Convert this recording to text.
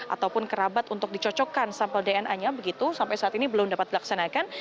ataupun kerabat untuk dicocokkan sampel dna nya begitu sampai saat ini belum dapat dilaksanakan